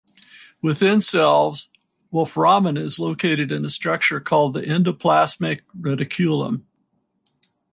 Within cells, wolframin is located in a structure called the endoplasmic reticulum.